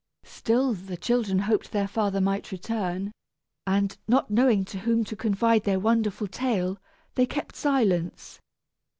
Still the children hoped their father might return; and, not knowing to whom to confide their wonderful tale, they kept silence.